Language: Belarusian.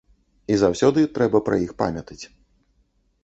І заўсёды трэба пра іх памятаць.